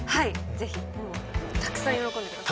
是非もうたくさん喜んでください！